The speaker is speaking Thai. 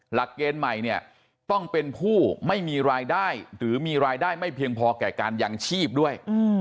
หลักเกณฑ์ใหม่เนี่ยต้องเป็นผู้ไม่มีรายได้หรือมีรายได้ไม่เพียงพอแก่การยังชีพด้วย